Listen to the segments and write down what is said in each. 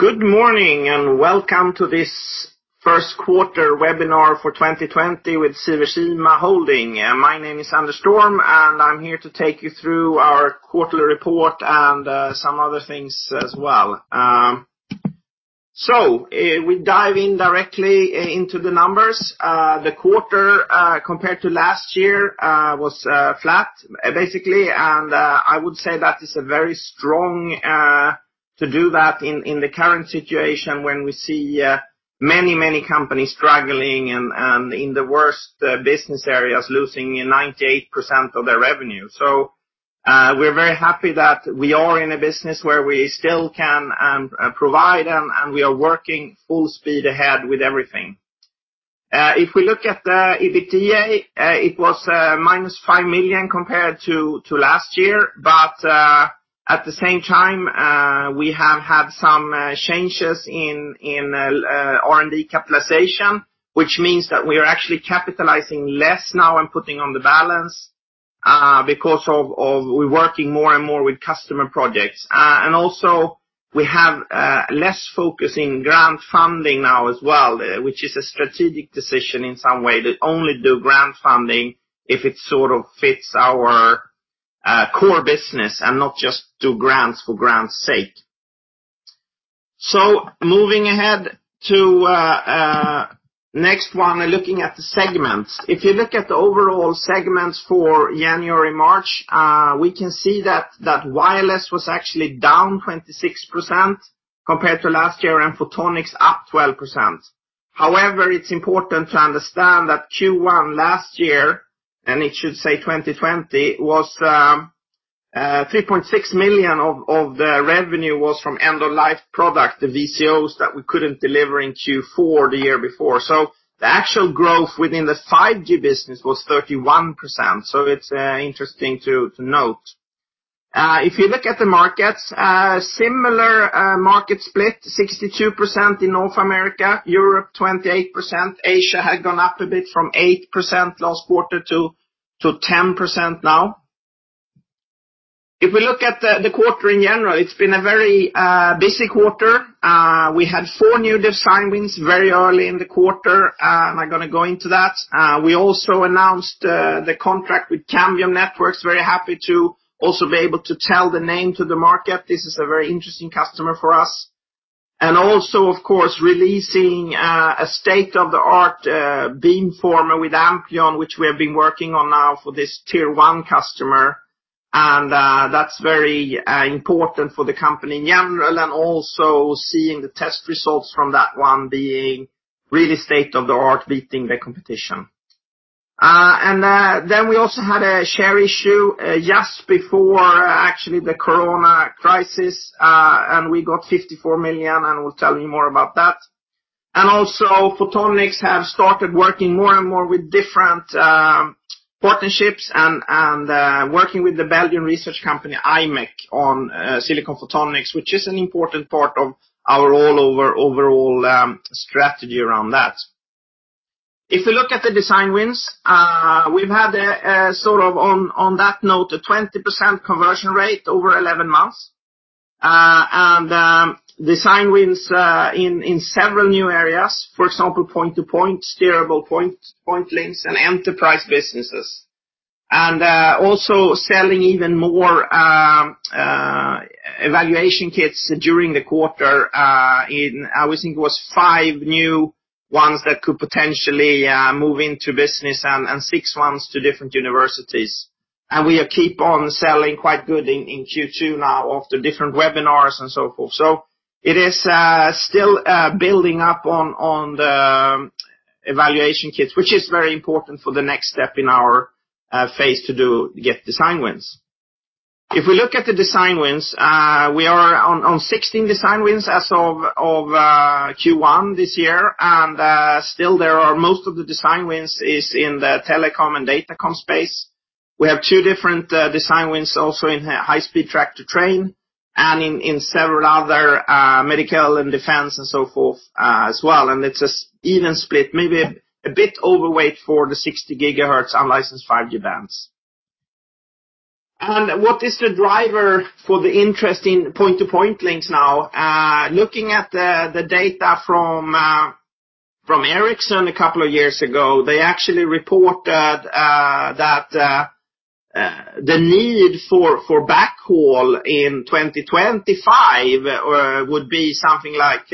Good morning and welcome to this first quarter webinar for 2020 with Sivers IMA Holding. My name is Anders Storm, and I'm here to take you through our quarterly report and some other things as well. So we dive in directly into the numbers. The quarter compared to last year was flat, basically, and I would say that is very strong to do that in the current situation when we see many, many companies struggling and in the worst business areas losing 98% of their revenue. So we're very happy that we are in a business where we still can provide, and we are working full speed ahead with everything. If we look at the EBITDA, it was -5 million compared to last year, but at the same time, we have had some changes in R&D capitalization, which means that we are actually capitalizing less now and putting on the balance because we're working more and more with customer projects, and also we have less focus in grant funding now as well, which is a strategic decision in some way to only do grant funding if it sort of fits our core business and not just do grants for grant's sake, so moving ahead to the next one, looking at the segments. If you look at the overall segments for January/March, we can see that wireless was actually down 26% compared to last year and photonics up 12%. However, it's important to understand that Q1 last year, and it should say 2020, was 3.6 million of the revenue was from end-of-life product, the VCOs that we couldn't deliver in Q4 the year before, so the actual growth within the 5G business was 31%, so it's interesting to note. If you look at the markets, similar market split: 62% in North America, Europe 28%, Asia had gone up a bit from 8% last quarter to 10% now. If we look at the quarter in general, it's been a very busy quarter. We had four new design wins very early in the quarter, and I'm going to go into that. We also announced the contract with Cambium Networks. Very happy to also be able to tell the name to the market. This is a very interesting customer for us. And also, of course, releasing a state-of-the-art beamformer with Ampleon, which we have been working on now for this tier-one customer. And that's very important for the company in general and also seeing the test results from that one being really state-of-the-art, beating the competition. And then we also had a share issue, just before actually the corona crisis, and we got 54 million, and we'll tell you more about that. And also, photonics have started working more and more with different partnerships and working with the Belgian research company IMEC on silicon photonics, which is an important part of our overall strategy around that. If we look at the design wins, we've had sort of on that note a 20% conversion rate over 11 months and design wins in several new areas, for example, point-to-point, steerable point links, and enterprise businesses. And also selling even more evaluation kits during the quarter. I think it was five new ones that could potentially move into business, and six ones to different universities. And we keep on selling quite good in Q2 now after different webinars and so forth. So it is still building up on the evaluation kits, which is very important for the next step in our phase to get design wins. If we look at the design wins, we are on 16 design wins as of Q1 this year, and still there are most of the design wins in the telecom and datacom space. We have two different design wins also in high-speed track-to-train, and in several other medical and defense and so forth as well. And it's an even split, maybe a bit overweight for the 60 gigahertz unlicensed 5G bands. What is the driver for the interest in point-to-point links now? Looking at the data from Ericsson a couple of years ago, they actually reported that the need for backhaul in 2025 would be something like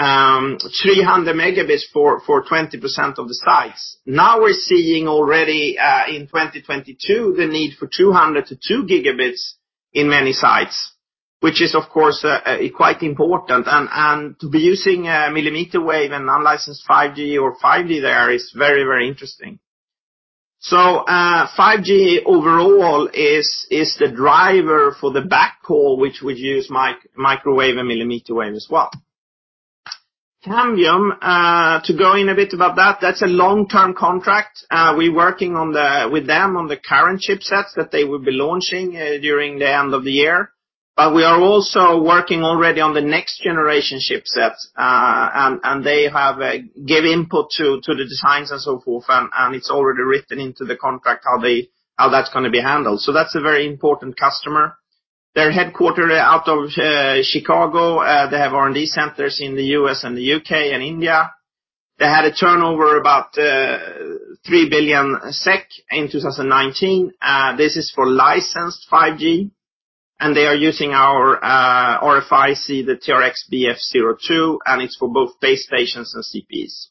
300 megabits for 20% of the sites. Now we're seeing already in 2022 the need for 200-2 gigabits in many sites, which is, of course, quite important. To be using millimeter wave and unlicensed 5G or 5G there is very, very interesting. So 5G overall is the driver for the backhaul, which would use microwave and millimeter wave as well. Cambium, to go in a bit about that, that's a long-term contract. We're working with them on the current chipsets that they will be launching during the end of the year. But we are also working already on the next generation chipsets, and they have given input to the designs and so forth, and it's already written into the contract how that's going to be handled. So that's a very important customer. They're headquartered out of Chicago. They have R&D centers in the U.S. and the U.K. and India. They had a turnover of about 3 billion SEK in 2019. This is for licensed 5G, and they are using our RFIC, the TRXBF02, and it's for both base stations and CPEs.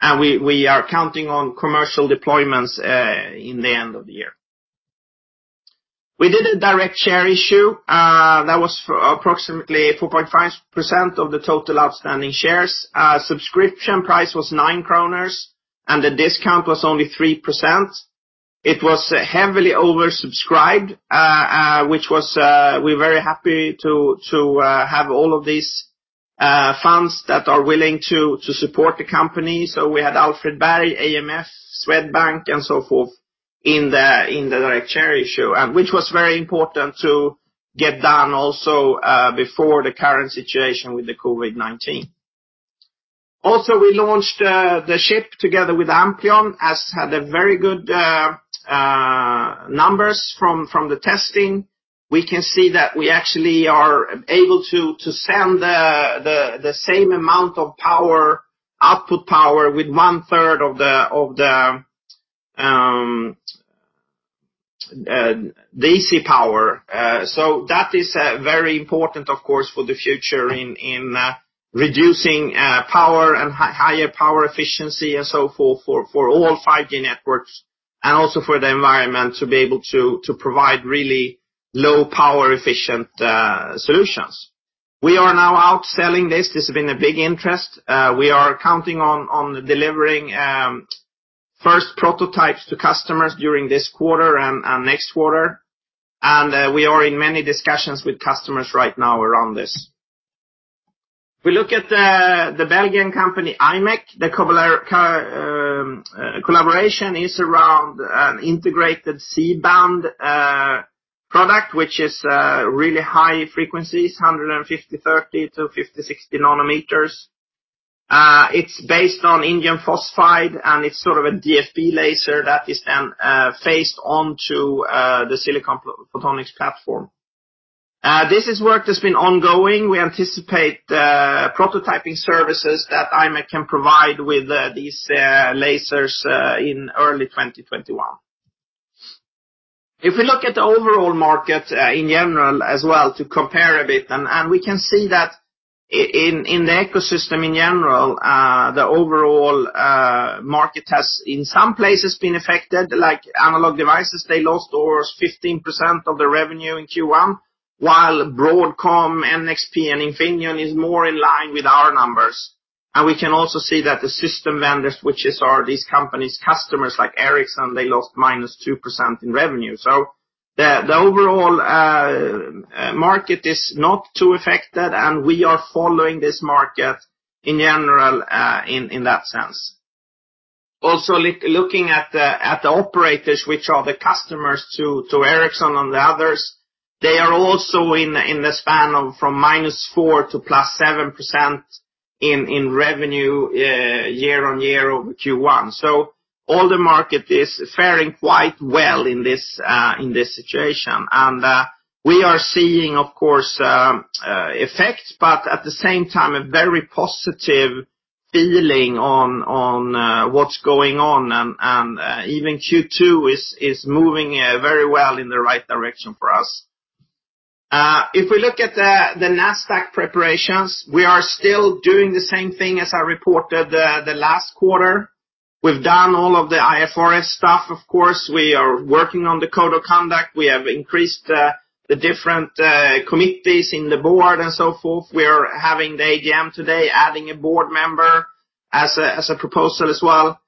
And we are counting on commercial deployments in the end of the year. We did a direct share issue. That was approximately 4.5% of the total outstanding shares. Subscription price was 9 kronor, and the discount was only 3%. It was heavily oversubscribed, which we're very happy to have all of these funds that are willing to support the company. So we had Alfred Berg, AMF, Swedbank, and so forth in the direct share issue, which was very important to get done also before the current situation with the COVID-19. Also, we launched the chip together with Ampleon and had very good numbers from the testing. We can see that we actually are able to send the same amount of power, output power, with one-third of the DC power. So that is very important, of course, for the future in reducing power and higher power efficiency and so forth for all 5G networks and also for the environment to be able to provide really low-power-efficient solutions. We are now outselling this. This has been a big interest. We are counting on delivering first prototypes to customers during this quarter and next quarter. We are in many discussions with customers right now around this. If we look at the Belgian company IMEC, the collaboration is around an integrated C-band product, which is really high frequencies, 1530 to 1560 nanometers. It's based on indium phosphide, and it's sort of a DFB laser that is then phased onto the silicon photonics platform. This is work that's been ongoing. We anticipate prototyping services that IMEC can provide with these lasers in early 2021. If we look at the overall market in general as well to compare a bit, and we can see that in the ecosystem in general, the overall market has in some places been affected, like Analog Devices. They lost almost 15% of their revenue in Q1, while Broadcom, NXP, and Infineon are more in line with our numbers. And we can also see that the system vendors, which are these companies' customers like Ericsson, they lost -2% in revenue. So the overall market is not too affected, and we are following this market in general in that sense. Also, looking at the operators, which are the customers to Ericsson and the others, they are also in the span of from -4% to +7% in revenue year on year over Q1. So all the market is faring quite well in this situation. And we are seeing, of course, effects, but at the same time, a very positive feeling on what's going on. And even Q2 is moving very well in the right direction for us. If we look at the Nasdaq preparations, we are still doing the same thing as I reported the last quarter. We've done all of the IFRS stuff, of course. We are working on the code of conduct. We have increased the different committees in the board and so forth. We are having the AGM today, adding a board member as a proposal as well.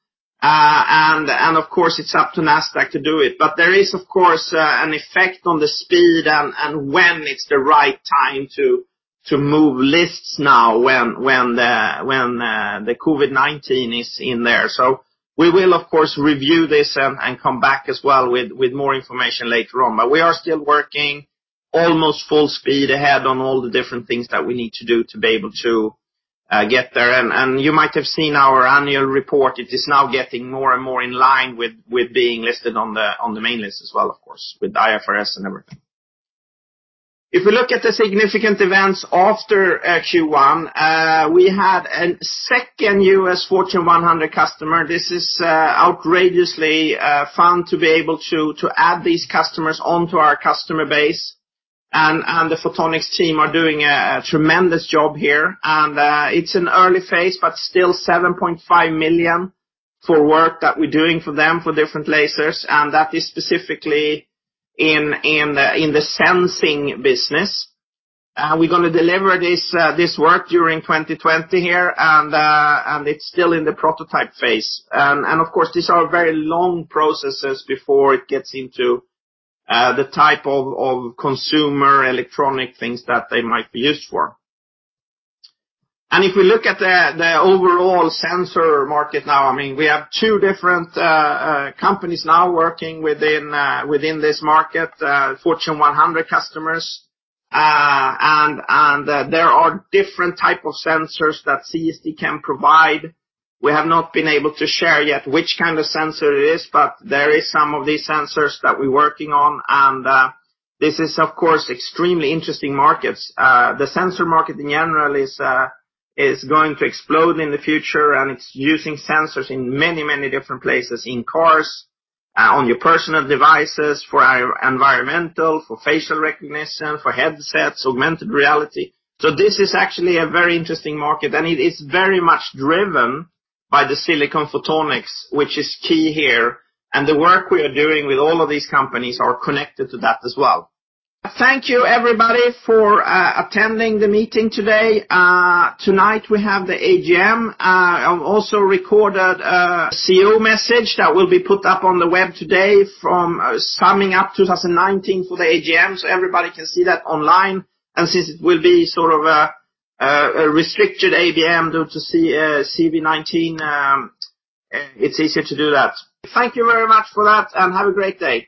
And of course, it's up to Nasdaq to do it. But there is, of course, an effect on the speed and when it's the right time to move listing now when the COVID-19 is in there. So we will, of course, review this and come back as well with more information later on. But we are still working almost full speed ahead on all the different things that we need to do to be able to get there. And you might have seen our annual report. It is now getting more and more in line with being listed on the main list as well, of course, with IFRS and everything. If we look at the significant events after Q1, we had a second U.S. Fortune 100 customer. This is outrageously fun to be able to add these customers onto our customer base. And the photonics team are doing a tremendous job here. And it's an early phase, but still 7.5 million for work that we're doing for them for different lasers. And that is specifically in the sensing business. We're going to deliver this work during 2020 here, and it's still in the prototype phase. And of course, these are very long processes before it gets into the type of consumer electronic things that they might be used for. If we look at the overall sensor market now, I mean, we have two different companies now working within this market, Fortune 100 customers. There are different types of sensors that CST can provide. We have not been able to share yet which kind of sensor it is, but there are some of these sensors that we're working on. This is, of course, extremely interesting markets. The sensor market in general is going to explode in the future, and it's using sensors in many, many different places: in cars, on your personal devices, for environmental, for facial recognition, for headsets, augmented reality. This is actually a very interesting market, and it is very much driven by the silicon photonics, which is key here. The work we are doing with all of these companies is connected to that as well. Thank you, everybody, for attending the meeting today. Tonight, we have the AGM. I've also recorded a CEO message that will be put up on the web today, from summing up 2019 for the AGM so everybody can see that online. Since it will be sort of a restricted AGM due to COVID-19, it's easier to do that. Thank you very much for that, and have a great day.